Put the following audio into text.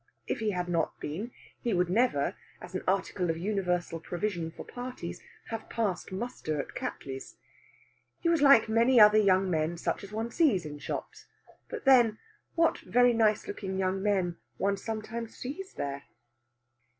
If he had not been, he would never, as an article of universal provision for parties, have passed muster at Cattley's. He was like many other young men such as one sees in shops; but then, what very nice looking young men one sometimes sees there!